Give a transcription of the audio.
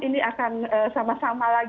ini akan sama sama lagi